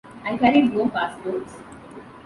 I carried no passports.